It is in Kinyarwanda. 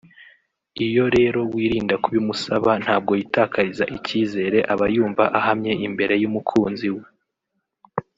iyo rero wirinda kubimusaba ntabwo yitakariza icyizere aba yumva ahamye imbere y’umukunzi we